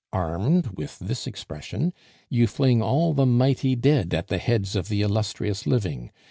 Armed with this expression, you fling all the mighty dead at the heads of the illustrious living.